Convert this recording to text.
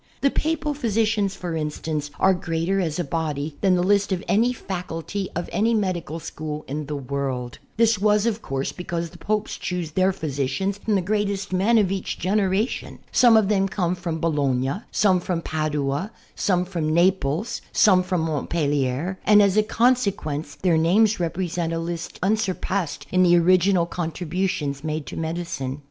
The Papal physicians, for instance, are greater as a body than the list of any faculty of any medical school in the world. This was, of course, because the Popes choose their physicians from the greatest men of each generation. Some of them came from Bologna, some from Padua, some from Naples, some from Montpellier, and, as a consequence, their names represent a list unsurpassed in the original contributions made to medicine.